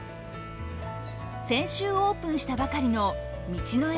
先週オープンしたばかりの道の駅